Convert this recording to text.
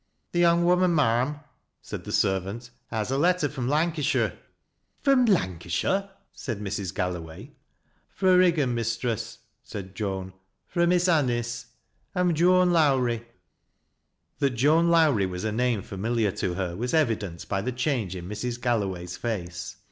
" The young woman, ma'am," said the servant, " haa i letter from Lancashire." " From Lancashire I " said Mrs. Galloway. " Fro' Riggan, mistress," said Joan. " Fro' Miss Anico I'm Joan Lowrie." Tliat Joan Lowrie was a name familiar to her was evi dent by the change in Mrs. Galloway's face.